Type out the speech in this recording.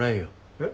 えっ？